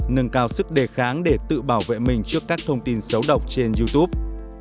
nâng cao sức đề kháng để tự bảo vệ mình trước các thông tin xấu độc trên youtube